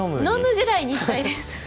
「飲む」ぐらいにしたいです。